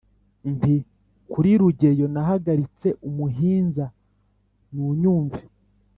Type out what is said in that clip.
Nti : kuri Rugeyo nahagaritse Umuhinza nunyumve